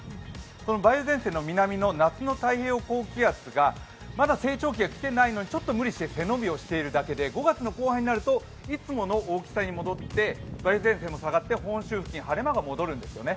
その梅雨前線の南の、夏の太平洋高気圧がまだ成長期が来ていないので、ちょっと無理して背伸びをしているだけで、５月の後半になると、いつもの大きさに戻って、梅雨前線も下がって本州付近、晴れ間が戻るんですよね。